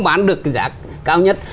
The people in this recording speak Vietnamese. bán được giá cao nhất